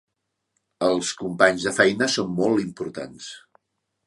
Els companys de feina són molt importants.